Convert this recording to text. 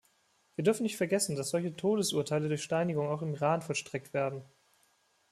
Wir dürfen nicht vergessen, dass solche Todesurteile durch Steinigung auch im Iran vollstreckt werden.